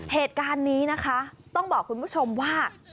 เหตุการณ์นี้นะคะต้องบอกคุณผู้ชมว่า